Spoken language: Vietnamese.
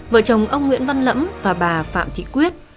vợ chồng ông nguyễn văn lẫm và bà phạm thị quyết